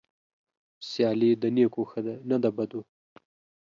سيالي د نيکو ښه ده نه د بدو.